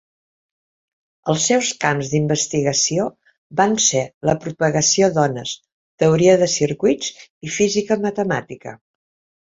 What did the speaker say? Els seus camps d'investigació van ser la propagació d'ones, teoria de circuits, i física matemàtica.